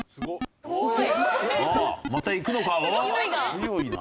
強いな。